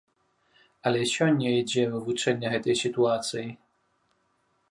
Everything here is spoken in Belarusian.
Але сёння ідзе вывучэнне гэтай сітуацыі.